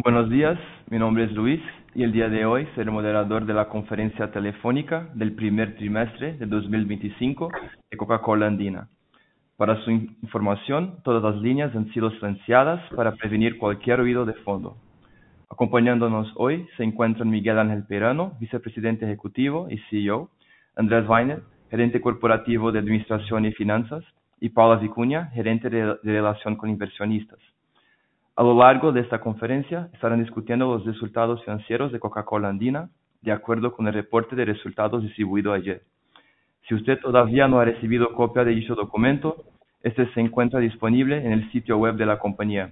Buenos días, mi nombre es Luis, y el día de hoy seré moderador de la conferencia telefónica del primer trimestre de 2025 de Coca-Cola Andina. Para su información, todas las líneas han sido silenciadas para prevenir cualquier ruido de fondo. Acompañándonos hoy se encuentran Miguel Ángel Perano, Vicepresidente Ejecutivo y CEO; Andrés Vayner, Gerente Corporativo de Administración y Finanzas; y Paula Vicuña, Gerente de Relación con Inversionistas. A lo largo de esta conferencia estarán discutiendo los resultados financieros de Coca-Cola Andina, de acuerdo con el reporte de resultados distribuido ayer. Si usted todavía no ha recibido copia de dicho documento, este se encuentra disponible en el sitio web de la compañía.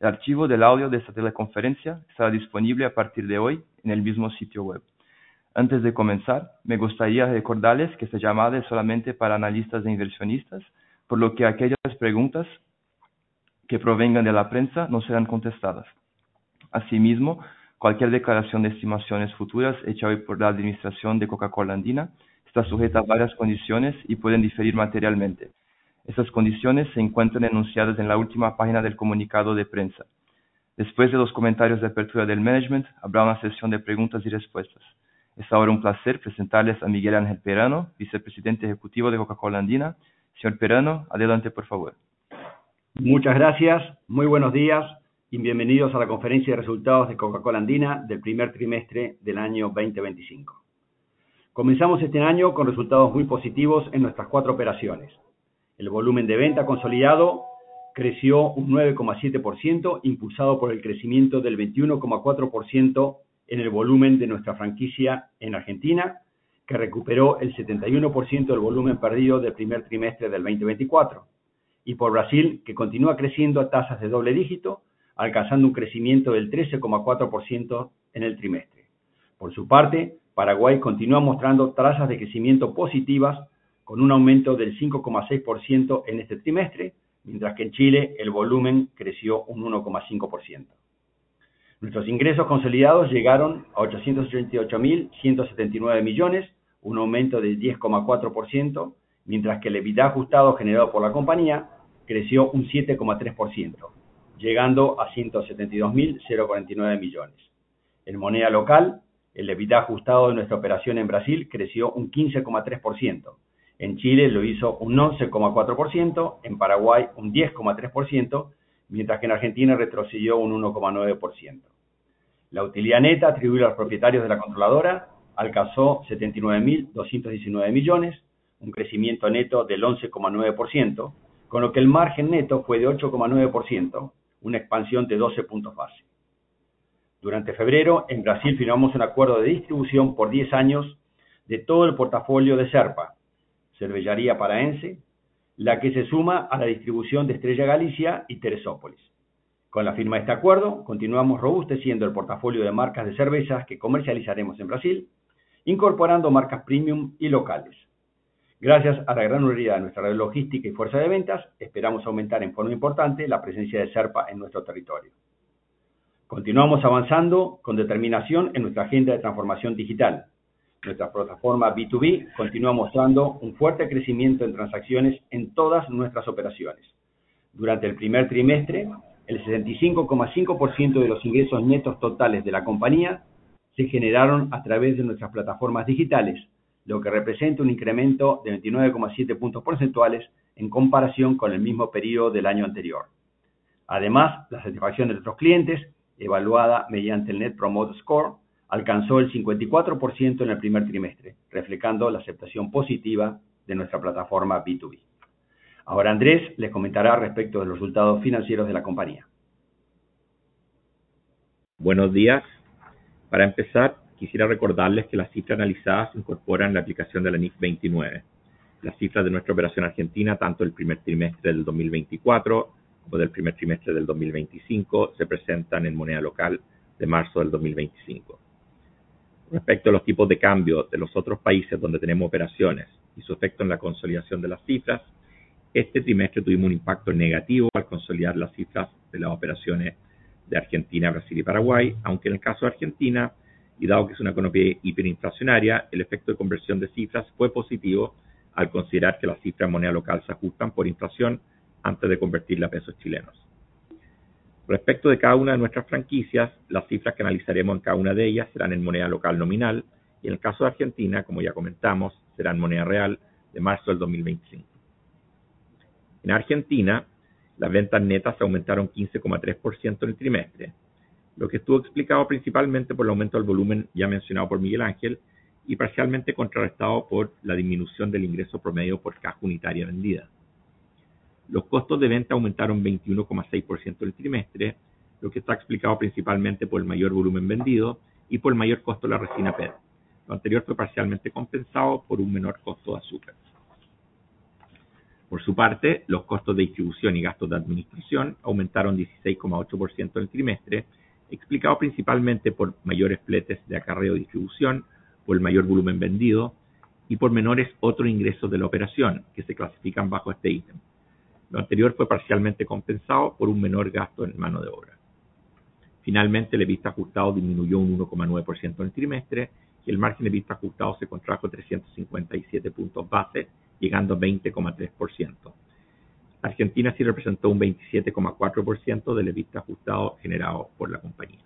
El archivo del audio de esta teleconferencia estará disponible a partir de hoy en el mismo sitio web. Antes de comenzar, me gustaría recordarles que esta llamada es solamente para analistas e inversionistas, por lo que aquellas preguntas que provengan de la prensa no serán contestadas. Asimismo, cualquier declaración de estimaciones futuras hecha hoy por la administración de Coca-Cola Andina está sujeta a varias condiciones y pueden diferir materialmente. Estas condiciones se encuentran enunciadas en la última página del comunicado de prensa. Después de los comentarios de apertura del management, habrá una sesión de preguntas y respuestas. Es ahora un placer presentarles a Miguel Ángel Peirano, Vicepresidente Ejecutivo de Coca-Cola Andina. Señor Peirano, adelante por favor. Muchas gracias, muy buenos días y bienvenidos a la conferencia de resultados de Coca-Cola Andina del primer trimestre del año 2025. Comenzamos este año con resultados muy positivos en nuestras cuatro operaciones. El volumen de venta consolidado creció un 9,7%, impulsado por el crecimiento del 21,4% en el volumen de nuestra franquicia en Argentina, que recuperó el 71% del volumen perdido del primer trimestre del 2024; y por Brasil, que continúa creciendo a tasas de doble dígito, alcanzando un crecimiento del 13,4% en el trimestre. Por su parte, Paraguay continúa mostrando trazas de crecimiento positivas, con un aumento del 5,6% en este trimestre, mientras que en Chile el volumen creció un 1,5%. Nuestros ingresos consolidados llegaron a $838.179 millones, un aumento del 10,4%, mientras que el EBITDA ajustado generado por la compañía creció un 7,3%, llegando a $172.049 millones. En moneda local, el EBITDA ajustado de nuestra operación en Brasil creció un 15,3%; en Chile lo hizo un 11,4%, en Paraguay un 10,3%, mientras que en Argentina retrocedió un 1,9%. La utilidad neta atribuida a los propietarios de la controladora alcanzó $79.219 millones, un crecimiento neto del 11,9%, con lo que el margen neto fue de 8,9%, una expansión de 12 puntos base. Durante febrero, en Brasil firmamos un acuerdo de distribución por 10 años de todo el portafolio de Cerpa Cervejería Paraense, la que se suma a la distribución de Estrella Galicia y Teresópolis. Con la firma de este acuerdo, continuamos robusteciendo el portafolio de marcas de cervezas que comercializaremos en Brasil, incorporando marcas premium y locales. Gracias a la gran unidad de nuestra red logística y fuerza de ventas, esperamos aumentar en forma importante la presencia de Serpa en nuestro territorio. Continuamos avanzando con determinación en nuestra agenda de transformación digital. Nuestra plataforma B2B continúa mostrando un fuerte crecimiento en transacciones en todas nuestras operaciones. Durante el primer trimestre, el 65,5% de los ingresos netos totales de la compañía se generaron a través de nuestras plataformas digitales, lo que representa un incremento de 29,7 puntos porcentuales en comparación con el mismo período del año anterior. Además, la satisfacción de nuestros clientes, evaluada mediante el Net Promoter Score, alcanzó el 54% en el primer trimestre, reflejando la aceptación positiva de nuestra plataforma B2B. Ahora Andrés les comentará respecto de los resultados financieros de la compañía. Buenos días. Para empezar, quisiera recordarles que las cifras analizadas se incorporan en la aplicación de la NIF 29. Las cifras de nuestra operación argentina, tanto del primer trimestre del 2024 como del primer trimestre del 2025, se presentan en moneda local de marzo del 2025. Respecto a los tipos de cambio de los otros países donde tenemos operaciones y su efecto en la consolidación de las cifras, este trimestre tuvimos un impacto negativo al consolidar las cifras de las operaciones de Argentina, Brasil y Paraguay, aunque en el caso de Argentina, y dado que es una economía hiperinflacionaria, el efecto de conversión de cifras fue positivo al considerar que las cifras en moneda local se ajustan por inflación antes de convertirlas a pesos chilenos. Respecto de cada una de nuestras franquicias, las cifras que analizaremos en cada una de ellas serán en moneda local nominal, y en el caso de Argentina, como ya comentamos, será en moneda real de marzo del 2025. En Argentina, las ventas netas aumentaron 15.3% en el trimestre, lo que estuvo explicado principalmente por el aumento del volumen ya mencionado por Miguel Ángel y parcialmente contrarrestado por la disminución del ingreso promedio por caja unitaria vendida. Los costos de venta aumentaron 21.6% en el trimestre, lo que está explicado principalmente por el mayor volumen vendido y por el mayor costo de la resina PET, lo anterior fue parcialmente compensado por un menor costo de azúcar. Por su parte, los costos de distribución y gastos de administración aumentaron 16,8% en el trimestre, explicado principalmente por mayores fletes de acarreo y distribución, por el mayor volumen vendido y por menores otros ingresos de la operación, que se clasifican bajo este ítem. Lo anterior fue parcialmente compensado por un menor gasto en mano de obra. Finalmente, el EBITDA ajustado disminuyó un 1,9% en el trimestre y el margen EBITDA ajustado se contrajo 357 puntos base, llegando a 20,3%. Argentina representó un 27,4% del EBITDA ajustado generado por la compañía.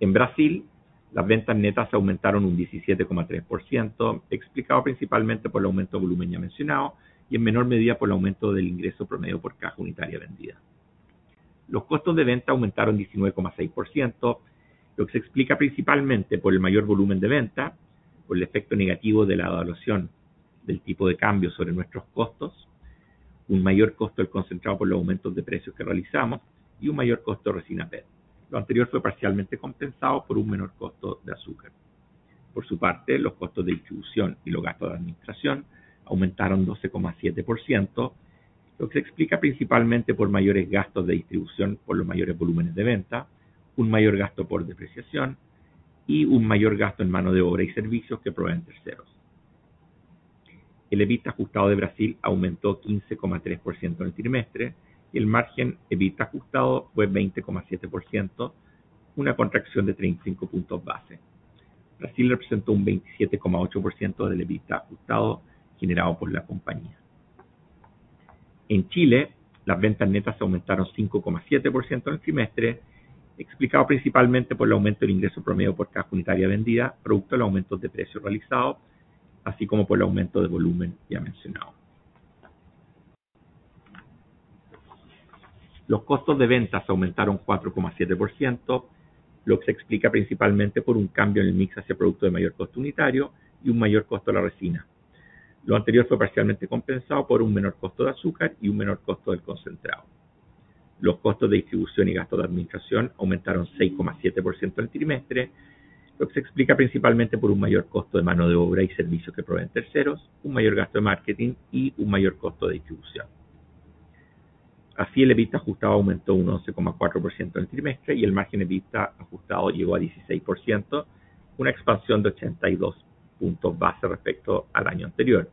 En Brasil, las ventas netas aumentaron un 17,3%, explicado principalmente por el aumento de volumen ya mencionado y en menor medida por el aumento del ingreso promedio por caja unitaria vendida. Los costos de venta aumentaron 19,6%, lo que se explica principalmente por el mayor volumen de venta, por el efecto negativo de la evaluación del tipo de cambio sobre nuestros costos, un mayor costo concentrado por los aumentos de precios que realizamos y un mayor costo de resina PET. Lo anterior fue parcialmente compensado por un menor costo de azúcar. Por su parte, los costos de distribución y los gastos de administración aumentaron 12,7%, lo que se explica principalmente por mayores gastos de distribución por los mayores volúmenes de venta, un mayor gasto por depreciación y un mayor gasto en mano de obra y servicios que proveen terceros. El EBITDA ajustado de Brasil aumentó 15,3% en el trimestre y el margen EBITDA ajustado fue 20,7%, una contracción de 35 puntos base. Brasil representó un 27,8% del EBITDA ajustado generado por la compañía. En Chile, las ventas netas aumentaron 5,7% en el trimestre, explicado principalmente por el aumento del ingreso promedio por caja unitaria vendida, producto de los aumentos de precios realizados, así como por el aumento de volumen ya mencionado. Los costos de venta aumentaron 4,7%, lo que se explica principalmente por un cambio en el mix hacia producto de mayor costo unitario y un mayor costo a la resina. Lo anterior fue parcialmente compensado por un menor costo de azúcar y un menor costo del concentrado. Los costos de distribución y gastos de administración aumentaron 6,7% en el trimestre, lo que se explica principalmente por un mayor costo de mano de obra y servicios que proveen terceros, un mayor gasto de marketing y un mayor costo de distribución. Así, el EBITDA ajustado aumentó un 11,4% en el trimestre y el margen EBITDA ajustado llegó a 16%, una expansión de 82 puntos base respecto al año anterior.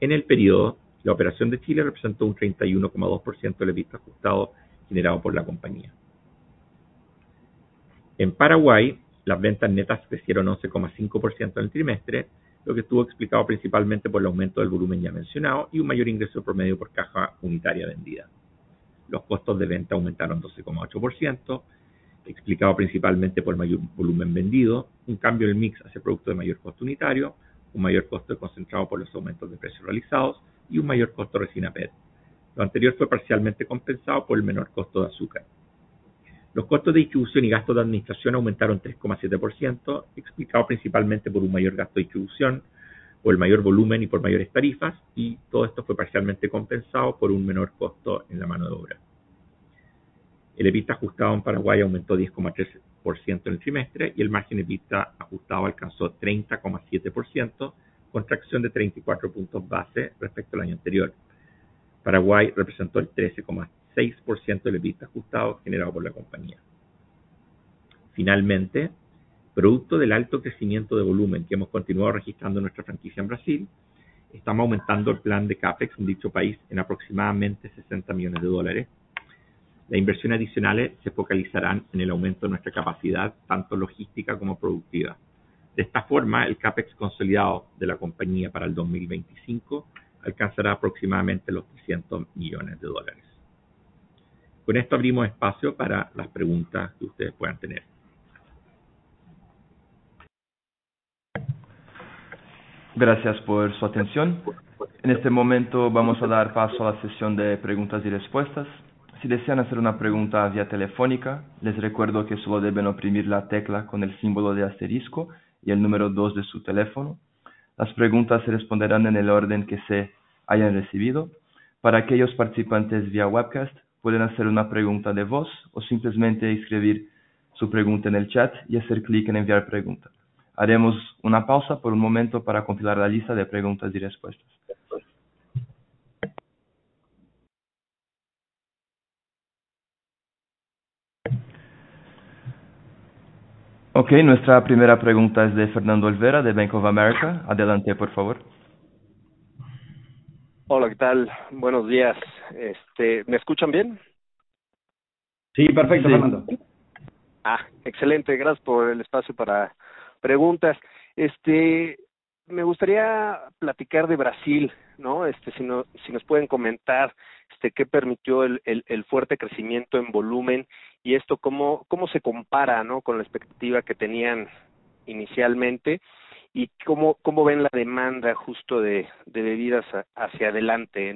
En el período, la operación de Chile representó un 31,2% del EBITDA ajustado generado por la compañía. En Paraguay, las ventas netas crecieron 11,5% en el trimestre, lo que estuvo explicado principalmente por el aumento del volumen ya mencionado y un mayor ingreso promedio por caja unitaria vendida. Los costos de venta aumentaron 12,8%, explicado principalmente por el mayor volumen vendido, un cambio en el mix hacia producto de mayor costo unitario, un mayor costo del concentrado por los aumentos de precios realizados y un mayor costo de resina PET. Lo anterior fue parcialmente compensado por el menor costo de azúcar. Los costos de distribución y gastos de administración aumentaron 3,7%, explicado principalmente por un mayor gasto de distribución, por el mayor volumen y por mayores tarifas, y todo esto fue parcialmente compensado por un menor costo en la mano de obra. El EBITDA ajustado en Paraguay aumentó 10,3% en el trimestre y el margen EBITDA ajustado alcanzó 30,7%, contracción de 34 puntos base respecto al año anterior. Paraguay representó el 13,6% del EBITDA ajustado generado por la compañía. Finalmente, producto del alto crecimiento de volumen que hemos continuado registrando en nuestra franquicia en Brasil, estamos aumentando el plan de CAPEX en dicho país en aproximadamente $60 millones de dólares. Las inversiones adicionales se focalizarán en el aumento de nuestra capacidad, tanto logística como productiva. De esta forma, el CAPEX consolidado de la compañía para el 2025 alcanzará aproximadamente los $300 millones de dólares. Con esto abrimos espacio para las preguntas que ustedes puedan tener. Gracias por su atención. En este momento vamos a dar paso a la sesión de preguntas y respuestas. Si desean hacer una pregunta vía telefónica, les recuerdo que solo deben oprimir la tecla con el símbolo de asterisco y el número dos de su teléfono. Las preguntas se responderán en el orden que se hayan recibido. Para aquellos participantes vía webcast, pueden hacer una pregunta de voz o simplemente escribir su pregunta en el chat y hacer clic en enviar pregunta. Haremos una pausa por un momento para compilar la lista de preguntas y respuestas. Nuestra primera pregunta es de Fernando Olvera de Bank of America. Adelante, por favor. Hola, ¿qué tal? Buenos días. ¿Me escuchan bien? Sí, perfecto, Fernando. Excelente, gracias por el espacio para preguntas. Me gustaría platicar de Brasil, si nos pueden comentar qué permitió el fuerte crecimiento en volumen y esto cómo se compara con la expectativa que tenían inicialmente y cómo ven la demanda justo de bebidas hacia adelante.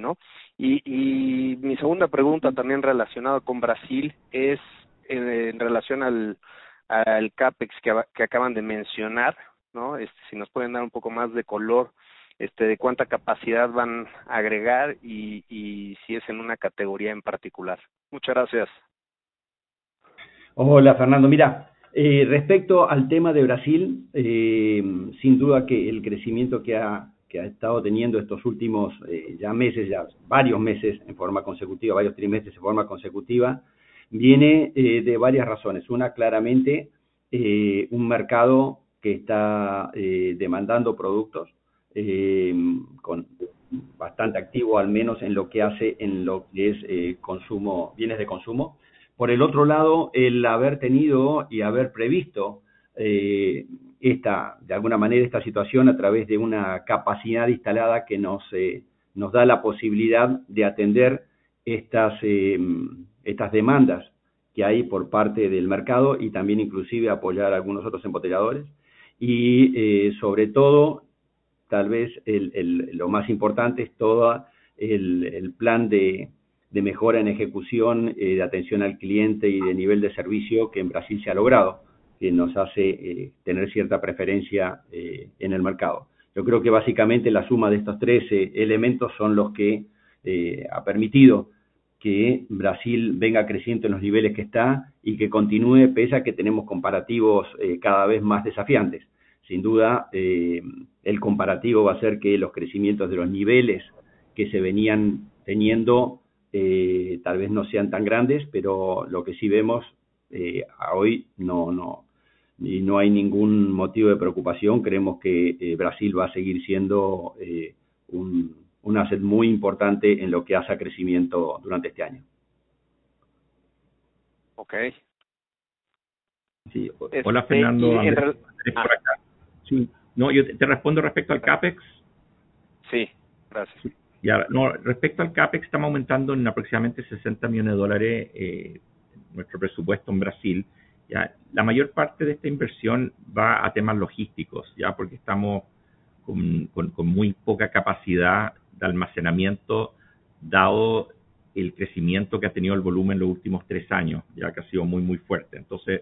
Y mi segunda pregunta también relacionada con Brasil es en relación al CAPEX que acaban de mencionar, si nos pueden dar un poco más de color de cuánta capacidad van a agregar y si es en una categoría en particular. Muchas gracias. Hola, Fernando. Mira, respecto al tema de Brasil, sin duda que el crecimiento que ha estado teniendo estos últimos meses, varios meses en forma consecutiva, varios trimestres en forma consecutiva, viene de varias razones. Una, claramente, un mercado que está demandando productos con bastante actividad, al menos en lo que hace, en lo que es bienes de consumo. Por el otro lado, el haber tenido y haber previsto esta, de alguna manera, esta situación a través de una capacidad instalada que nos da la posibilidad de atender estas demandas que hay por parte del mercado y también, inclusive, apoyar a algunos otros embotelladores. Sobre todo, tal vez lo más importante es todo el plan de mejora en ejecución, de atención al cliente y de nivel de servicio que en Brasil se ha logrado, que nos hace tener cierta preferencia en el mercado. Yo creo que, básicamente, la suma de estos 13 elementos son los que ha permitido que Brasil venga creciendo en los niveles que está y que continúe, pese a que tenemos comparativos cada vez más desafiantes. Sin duda, el comparativo va a ser que los crecimientos de los niveles que se venían teniendo tal vez no sean tan grandes, pero lo que sí vemos hoy no hay ningún motivo de preocupación. Creemos que Brasil va a seguir siendo un asset muy importante en lo que hace a crecimiento durante este año. Okay. Sí. Hola, Fernando. Sí. No, yo te respondo respecto al CAPEX. Sí, gracias. Respecto al CAPEX, estamos aumentando en aproximadamente $60 millones nuestro presupuesto en Brasil. La mayor parte de esta inversión va a temas logísticos, porque estamos con muy poca capacidad de almacenamiento, dado el crecimiento que ha tenido el volumen los últimos tres años, que ha sido muy fuerte. Entonces,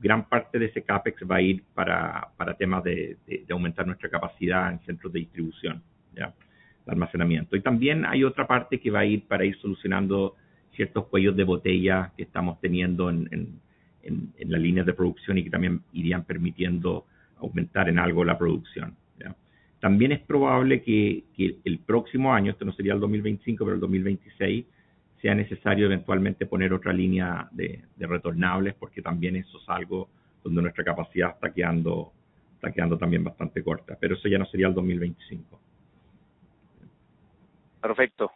gran parte de ese CAPEX va a ir para temas de aumentar nuestra capacidad en centros de distribución, de almacenamiento. También hay otra parte que va a ir para ir solucionando ciertos cuellos de botella que estamos teniendo en la línea de producción y que también irían permitiendo aumentar en algo la producción. También es probable que el próximo año, esto no sería el 2025, pero el 2026, sea necesario eventualmente poner otra línea de retornables, porque también eso es algo donde nuestra capacidad está quedando también bastante corta. Pero eso ya no sería el 2025. Perfecto.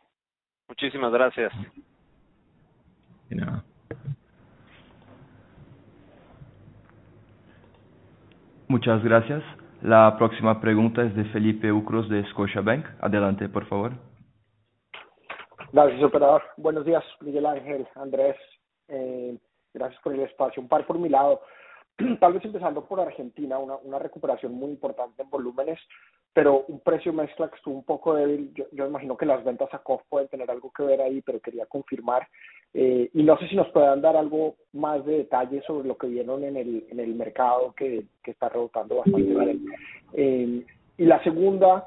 Muchísimas gracias. De nada. Muchas gracias. La próxima pregunta es de Felipe Ucros de Scotiabank. Adelante, por favor. Gracias, operador. Buenos días, Miguel Ángel, Andrés. Gracias por el espacio. Un par por mi lado. Tal vez empezando por Argentina, una recuperación muy importante en volúmenes, pero un precio mezcla que estuvo un poco débil. Me imagino que las ventas a costos pueden tener algo que ver ahí, pero quería confirmar. No sé si nos pueden dar algo más de detalle sobre lo que vieron en el mercado que está rebotando bastante. La segunda,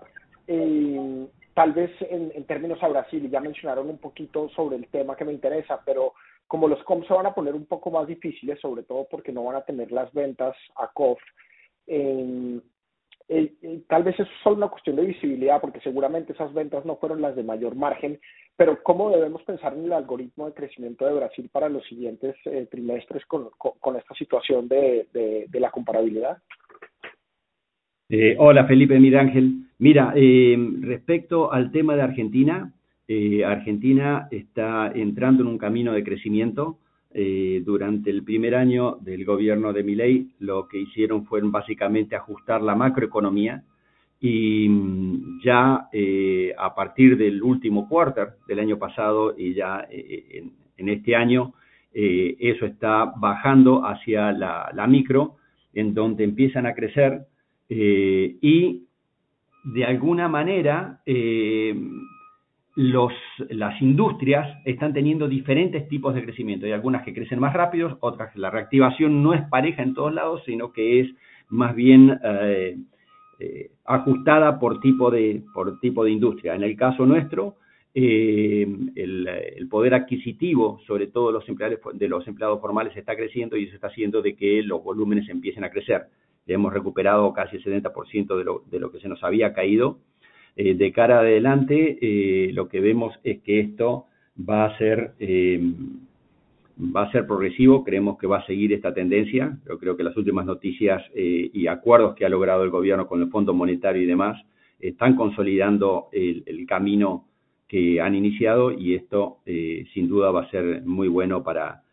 tal vez en términos a Brasil, ya mencionaron un poquito sobre el tema que me interesa, pero como los comps se van a poner un poco más difíciles, sobre todo porque no van a tener las ventas a costos, tal vez eso es solo una cuestión de visibilidad, porque seguramente esas ventas no fueron las de mayor margen. Pero, ¿cómo debemos pensar en el algoritmo de crecimiento de Brasil para los siguientes trimestres con esta situación de la comparabilidad? Hola, Felipe, Miguel Ángel. Mira, respecto al tema de Argentina, Argentina está entrando en un camino de crecimiento. Durante el primer año del gobierno de Milei, lo que hicieron fue básicamente ajustar la macroeconomía. Y ya a partir del último trimestre del año pasado y ya en este año, eso está bajando hacia la micro, en donde empiezan a crecer. Y de alguna manera, las industrias están teniendo diferentes tipos de crecimiento. Hay algunas que crecen más rápido, otras que la reactivación no es pareja en todos lados, sino que es más bien ajustada por tipo de industria. En el caso nuestro, el poder adquisitivo, sobre todo de los empleados formales, está creciendo y eso está haciendo que los volúmenes empiecen a crecer. Hemos recuperado casi el 70% de lo que se nos había caído. De cara adelante, lo que vemos es que esto va a ser progresivo, creemos que va a seguir esta tendencia. Yo creo que las últimas noticias y acuerdos que ha logrado el gobierno con el fondo monetario y demás están consolidando el camino que han iniciado y esto, sin duda, va a ser muy bueno para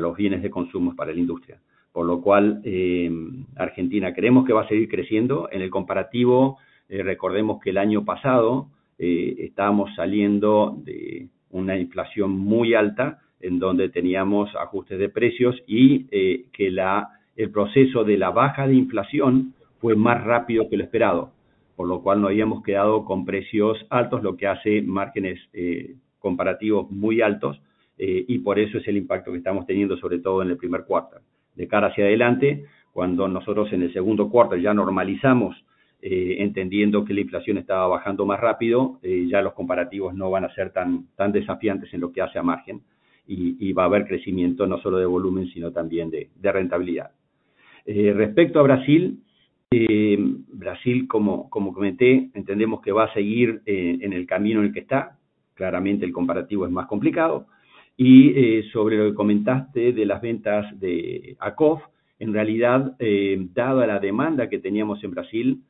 los bienes de consumo, para la industria. Por lo cual, Argentina creemos que va a seguir creciendo. En el comparativo, recordemos que el año pasado estábamos saliendo de una inflación muy alta, en donde teníamos ajustes de precios y que el proceso de la baja de inflación fue más rápido que lo esperado, por lo cual nos habíamos quedado con precios altos, lo que hace márgenes comparativos muy altos y por eso es el impacto que estamos teniendo, sobre todo en el primer trimestre. De cara hacia adelante, cuando nosotros en el segundo trimestre ya normalizamos, entendiendo que la inflación estaba bajando más rápido, ya los comparativos no van a ser tan desafiantes en lo que hace a margen y va a haber crecimiento no solo de volumen, sino también de rentabilidad. Respecto a Brasil, Brasil, como comenté, entendemos que va a seguir en el camino en el que está. Claramente, el comparativo es más complicado. Sobre lo que comentaste de las ventas a costos, en realidad, dada la demanda que teníamos en Brasil,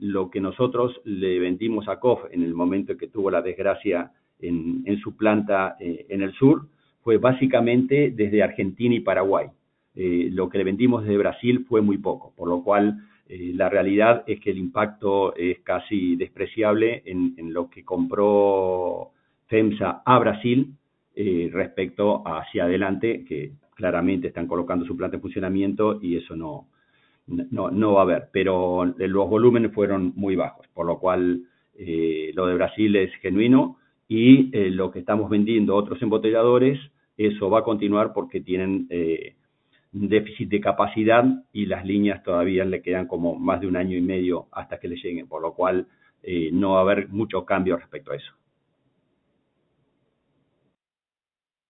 lo que nosotros le vendimos a costos en el momento en que tuvo la desgracia en su planta en el sur, fue básicamente desde Argentina y Paraguay. Lo que le vendimos desde Brasil fue muy poco, por lo cual la realidad es que el impacto es casi despreciable en lo que compró FEMSA a Brasil respecto hacia adelante, que claramente están colocando su planta en funcionamiento y eso no va a haber. Pero los volúmenes fueron muy bajos, por lo cual lo de Brasil es genuino y lo que estamos vendiendo a otros embotelladores, eso va a continuar porque tienen déficit de capacidad y las líneas todavía le quedan como más de un año y medio hasta que le lleguen, por lo cual no va a haber mucho cambio respecto a eso.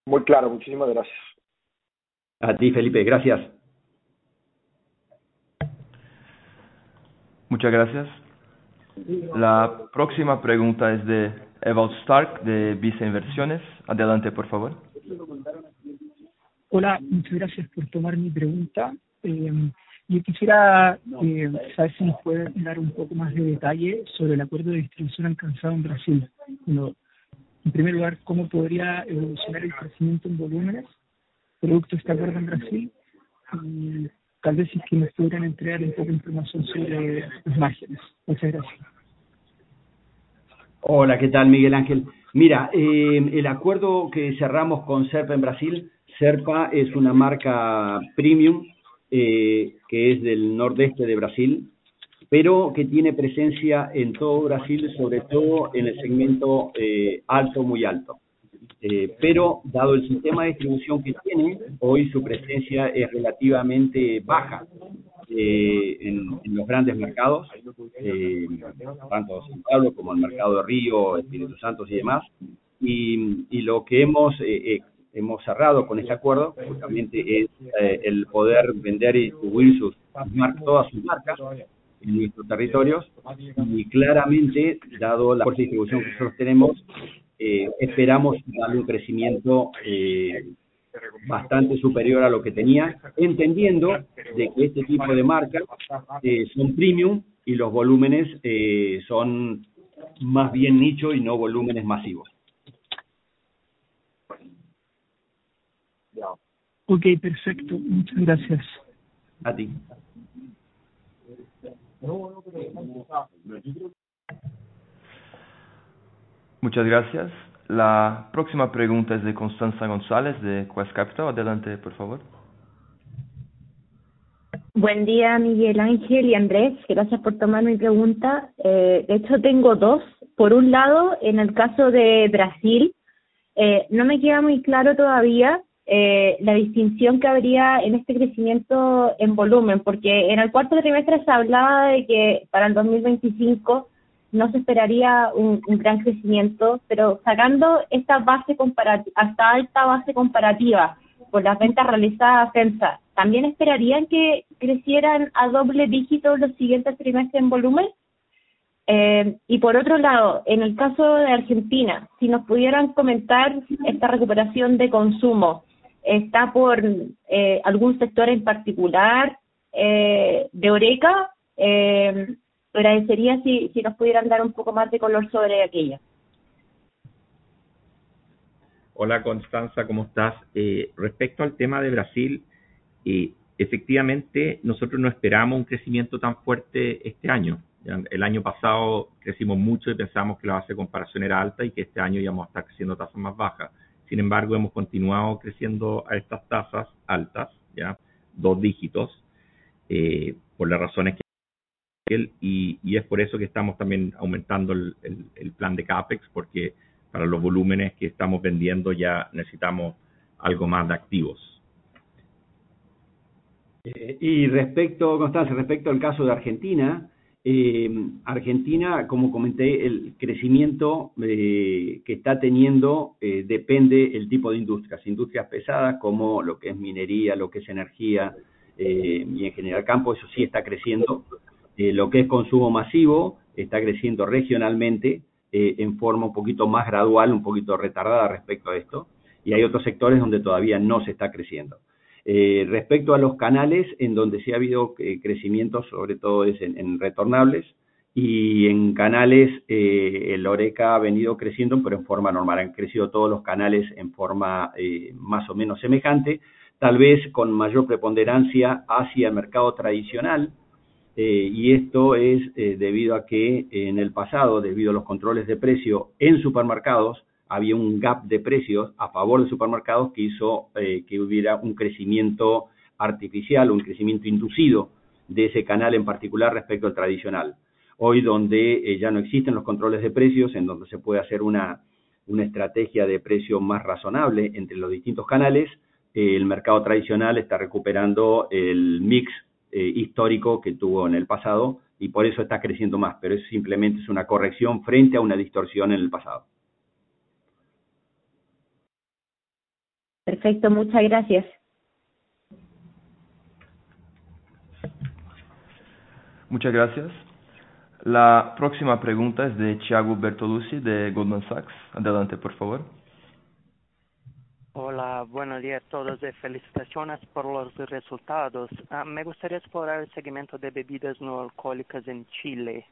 Muy claro. Muchísimas gracias. A ti, Felipe. Gracias. Muchas gracias. La próxima pregunta es de Ewald Stark de Visa Inversiones. Adelante, por favor. Hola, muchas gracias por tomar mi pregunta. Yo quisiera saber si nos puede dar un poco más de detalle sobre el acuerdo de distribución alcanzado en Brasil. En primer lugar, ¿cómo podría evolucionar el crecimiento en volúmenes producto de este acuerdo en Brasil? Y tal vez si nos pudieran entregar un poco de información sobre los márgenes. Muchas gracias. Hola, ¿qué tal, Miguel Ángel? Mira, el acuerdo que cerramos con Serpa en Brasil. Serpa es una marca premium que es del nordeste de Brasil, pero que tiene presencia en todo Brasil, sobre todo en el segmento alto, muy alto. Pero, dado el sistema de distribución que tiene, hoy su presencia es relativamente baja en los grandes mercados, tanto Centauro como el mercado de Río, Espíritu Santo y demás. Y lo que hemos cerrado con este acuerdo justamente es el poder vender y distribuir todas sus marcas en nuestros territorios. Y claramente, dado la fuerte distribución que nosotros tenemos, esperamos darle un crecimiento bastante superior a lo que tenía, entendiendo que este tipo de marcas son premium y los volúmenes son más bien nicho y no volúmenes masivos. Okay, perfecto. Muchas gracias. A ti. Muchas gracias. La próxima pregunta es de Constanza González de Quest Capital. Adelante, por favor. Buen día, Miguel Ángel y Andrés. Gracias por tomar mi pregunta. De hecho, tengo dos. Por un lado, en el caso de Brasil, no me queda muy claro todavía la distinción que habría en este crecimiento en volumen, porque en el cuarto trimestre se hablaba de que para el 2025 no se esperaría un gran crecimiento. Pero, sacando esta alta base comparativa con las ventas realizadas a FEMSA, ¿también esperarían que crecieran a doble dígito los siguientes trimestres en volumen? Y, por otro lado, en el caso de Argentina, si nos pudieran comentar esta recuperación de consumo, ¿está por algún sector en particular de cerveza? Agradecería si nos pudieran dar un poco más de color sobre aquello. Hola, Constanza. ¿Cómo estás? Respecto al tema de Brasil, efectivamente, nosotros no esperábamos un crecimiento tan fuerte este año. El año pasado crecimos mucho y pensábamos que la base de comparación era alta y que este año íbamos a estar creciendo a tasas más bajas. Sin embargo, hemos continuado creciendo a estas tasas altas, dos dígitos, por las razones que hay. Es por eso que estamos también aumentando el plan de CAPEX, porque para los volúmenes que estamos vendiendo ya necesitamos algo más de activos. Respecto al caso de Argentina, Argentina, como comenté, el crecimiento que está teniendo depende del tipo de industrias. Industrias pesadas, como lo que es minería, lo que es energía y, en general, campo, eso sí está creciendo. Lo que es consumo masivo está creciendo regionalmente en forma un poquito más gradual, un poquito retardada respecto a esto. Y hay otros sectores donde todavía no se está creciendo. Respecto a los canales en donde sí ha habido crecimiento, sobre todo es en retornables. En canales, el oreja ha venido creciendo, pero en forma normal. Han crecido todos los canales en forma más o menos semejante, tal vez con mayor preponderancia hacia el mercado tradicional. Esto es debido a que en el pasado, debido a los controles de precio en supermercados, había un gap de precios a favor de supermercados que hizo que hubiera un crecimiento artificial, un crecimiento inducido de ese canal en particular respecto al tradicional. Hoy, donde ya no existen los controles de precios, en donde se puede hacer una estrategia de precio más razonable entre los distintos canales, el mercado tradicional está recuperando el mix histórico que tuvo en el pasado y por eso está creciendo más. Pero eso simplemente es una corrección frente a una distorsión en el pasado. Perfecto. Muchas gracias. Muchas gracias. La próxima pregunta es de Tiago Bertolucci de Goldman Sachs. Adelante, por favor. Hola, buenos días a todos. Felicitaciones por los resultados. Me gustaría explorar el segmento de bebidas no alcohólicas en Chile.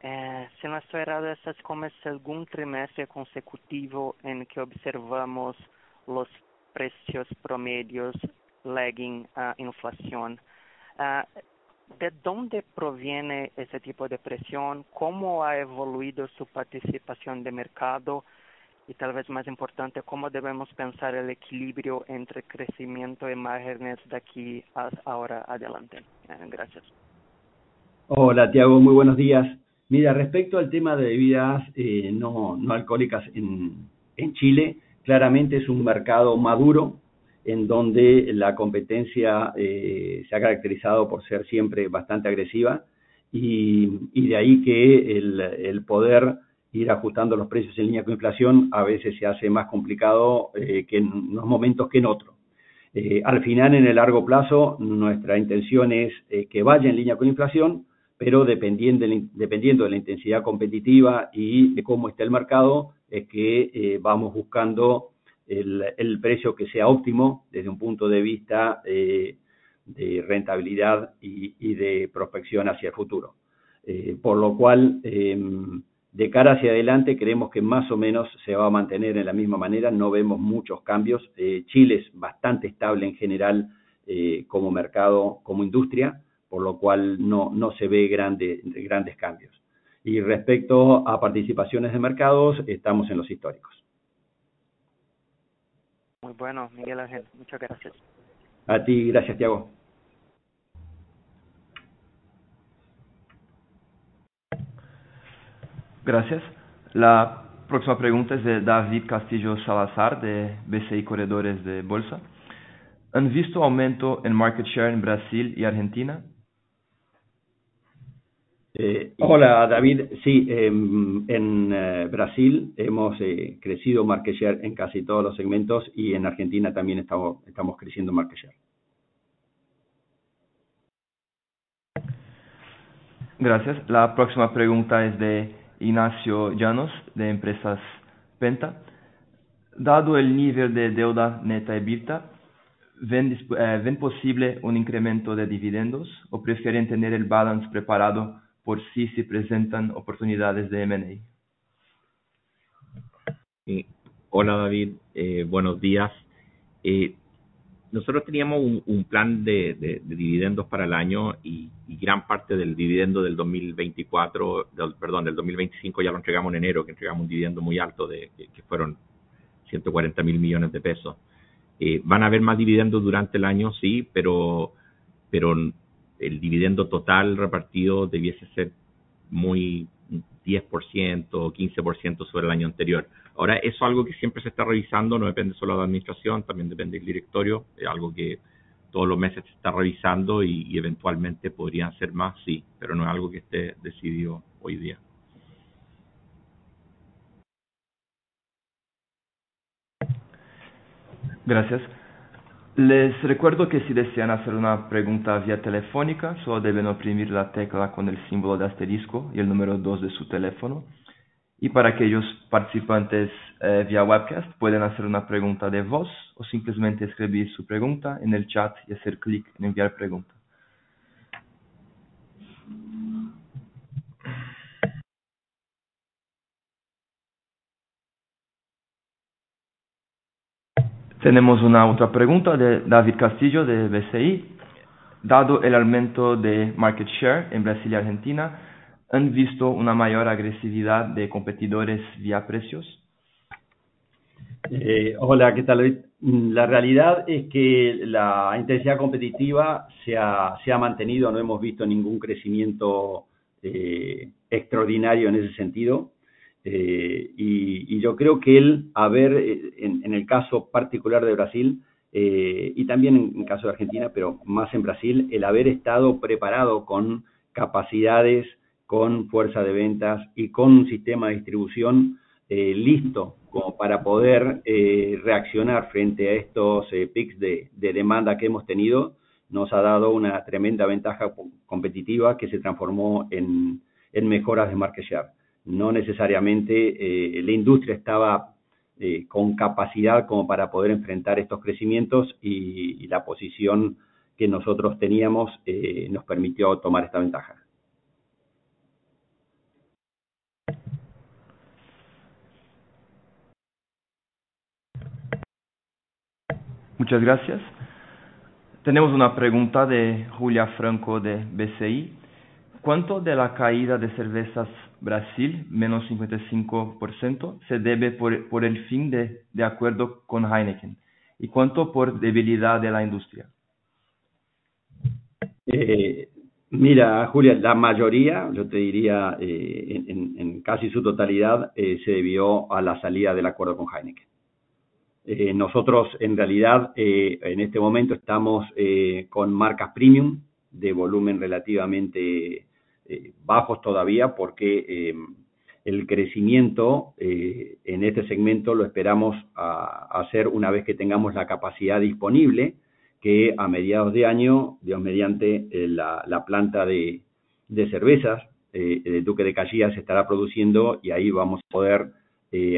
Si no estoy errada, este es como el segundo trimestre consecutivo en que observamos los precios promedios lagging a inflación. ¿De dónde proviene ese tipo de presión? ¿Cómo ha evolucionado su participación de mercado? Y tal vez más importante, ¿cómo debemos pensar el equilibrio entre crecimiento y márgenes de aquí en adelante? Gracias. Hola, Tiago. Muy buenos días. Mira, respecto al tema de bebidas no alcohólicas en Chile, claramente es un mercado maduro en donde la competencia se ha caracterizado por ser siempre bastante agresiva. Y de ahí que el poder ir ajustando los precios en línea con inflación a veces se hace más complicado en unos momentos que en otros. Al final, en el largo plazo, nuestra intención es que vaya en línea con inflación, pero dependiendo de la intensidad competitiva y de cómo esté el mercado, es que vamos buscando el precio que sea óptimo desde un punto de vista de rentabilidad y de prospección hacia el futuro. Por lo cual, de cara hacia adelante, creemos que más o menos se va a mantener en la misma manera. No vemos muchos cambios. Chile es bastante estable en general como mercado, como industria, por lo cual no se ven grandes cambios. Y respecto a participaciones de mercado, estamos en los históricos. Muy bueno, Miguel Ángel. Muchas gracias. A ti. Gracias, Tiago. Gracias. La próxima pregunta es de David Castillo Salazar de BCI Corredores de Bolsa. ¿Han visto aumento en market share en Brasil y Argentina? Hola, David. Sí, en Brasil hemos crecido market share en casi todos los segmentos y en Argentina también estamos creciendo market share. Gracias. La próxima pregunta es de Ignacio Llanos de Empresas Penta. Dado el nivel de deuda neta EBITDA, ¿ven posible un incremento de dividendos o prefieren tener el balance preparado por si se presentan oportunidades de M&A? Hola, David. Buenos días. Nosotros teníamos un plan de dividendos para el año y gran parte del dividendo del 2024, perdón, del 2025, ya lo entregamos en enero, que entregamos un dividendo muy alto que fueron $140 mil millones de pesos. Van a haber más dividendos durante el año, sí, pero el dividendo total repartido debiese ser muy 10%, 15% sobre el año anterior. Ahora, eso es algo que siempre se está revisando, no depende solo de la administración, también depende del directorio, es algo que todos los meses se está revisando y eventualmente podrían ser más, sí, pero no es algo que esté decidido hoy día. Gracias. Les recuerdo que si desean hacer una pregunta vía telefónica, solo deben oprimir la tecla con el símbolo de asterisco y el número dos de su teléfono. Y para aquellos participantes vía webcast, pueden hacer una pregunta de voz o simplemente escribir su pregunta en el chat y hacer clic en enviar pregunta. Tenemos otra pregunta de David Castillo de BCI. Dado el aumento de market share en Brasil y Argentina, ¿han visto una mayor agresividad de competidores vía precios? Hola, ¿qué tal, David? La realidad es que la intensidad competitiva se ha mantenido, no hemos visto ningún crecimiento extraordinario en ese sentido. Yo creo que el haber, en el caso particular de Brasil, y también en el caso de Argentina, pero más en Brasil, el haber estado preparado con capacidades, con fuerza de ventas y con un sistema de distribución listo como para poder reaccionar frente a estos picos de demanda que hemos tenido, nos ha dado una tremenda ventaja competitiva que se transformó en mejoras de market share. No necesariamente la industria estaba con capacidad como para poder enfrentar estos crecimientos y la posición que nosotros teníamos nos permitió tomar esta ventaja. Muchas gracias. Tenemos una pregunta de Julia Franco de BCI. ¿Cuánto de la caída de cervezas Brasil, menos 55%, se debe por el fin de acuerdo con Heineken? ¿Y cuánto por debilidad de la industria? Mira, Julia, la mayoría, yo te diría, en casi su totalidad, se debió a la salida del acuerdo con Heineken. Nosotros, en realidad, en este momento estamos con marcas premium de volumen relativamente bajos todavía, porque el crecimiento en este segmento lo esperamos hacer una vez que tengamos la capacidad disponible, que a mediados de año, mediante la planta de cervezas de Duque de Caxias, se estará produciendo y ahí vamos a poder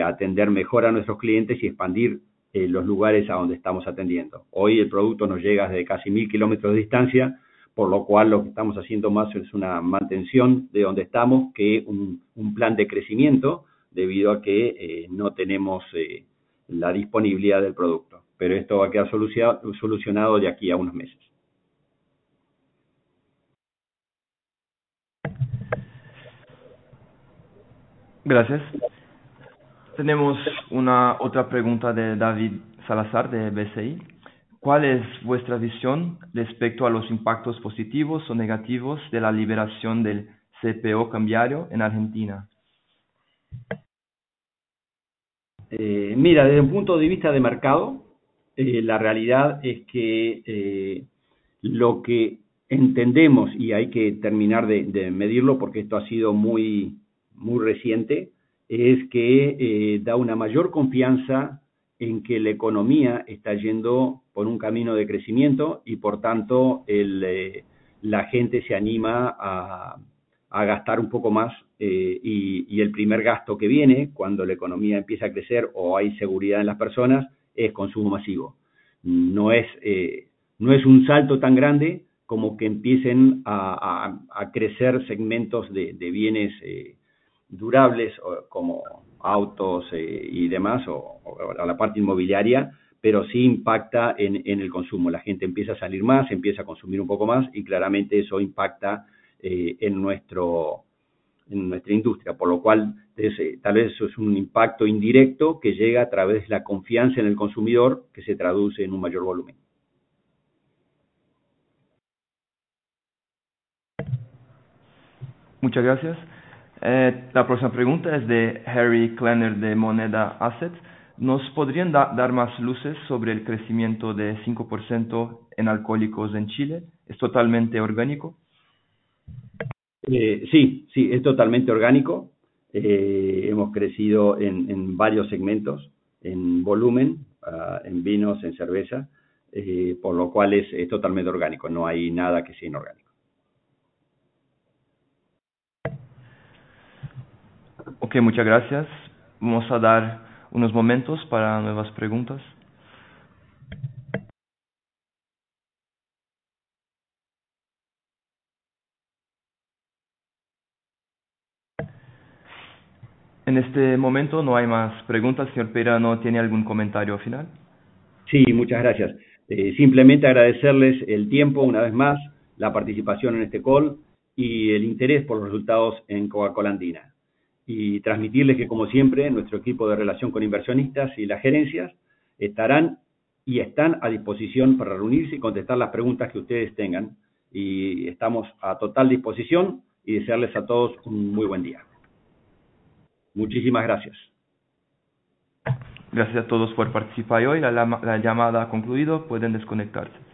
atender mejor a nuestros clientes y expandir los lugares a donde estamos atendiendo. Hoy el producto nos llega desde casi 1,000 kilómetros de distancia, por lo cual lo que estamos haciendo más es una mantención de donde estamos, que un plan de crecimiento, debido a que no tenemos la disponibilidad del producto. Pero esto va a quedar solucionado de aquí a unos meses. Gracias. Tenemos otra pregunta de David Salazar de BCI. ¿Cuál es vuestra visión respecto a los impactos positivos o negativos de la liberación del CPO cambiario en Argentina? Mira, desde un punto de vista de mercado, la realidad es que lo que entendemos, y hay que terminar de medirlo porque esto ha sido muy reciente, es que da una mayor confianza en que la economía está yendo por un camino de crecimiento y, por tanto, la gente se anima a gastar un poco más. El primer gasto que viene cuando la economía empieza a crecer o hay seguridad en las personas es consumo masivo. No es un salto tan grande como que empiecen a crecer segmentos de bienes durables como autos y demás, o la parte inmobiliaria, pero sí impacta en el consumo. La gente empieza a salir más, empieza a consumir un poco más y claramente eso impacta en nuestra industria. Por lo cual, tal vez eso es un impacto indirecto que llega a través de la confianza en el consumidor, que se traduce en un mayor volumen. Muchas gracias. La próxima pregunta es de Harry Klenner de Moneda Asset. ¿Nos podrían dar más luces sobre el crecimiento de 5% en alcohólicos en Chile? Es totalmente orgánico. Sí, sí, es totalmente orgánico. Hemos crecido en varios segmentos, en volumen, en vinos, en cerveza, por lo cual es totalmente orgánico. No hay nada que sea inorgánico. Muchas gracias. Vamos a dar unos momentos para nuevas preguntas. En este momento no hay más preguntas. Señor Perano, ¿tiene algún comentario final? Sí, muchas gracias. Simplemente agradecerles el tiempo una vez más, la participación en este call y el interés por los resultados en Coca-Cola Andina. Transmitirles que, como siempre, nuestro equipo de relación con inversionistas y las gerencias estarán y están a disposición para reunirse y contestar las preguntas que ustedes tengan. Estamos a total disposición y desearles a todos un muy buen día. Muchísimas gracias. Gracias a todos por participar hoy. La llamada ha concluido, pueden desconectarse.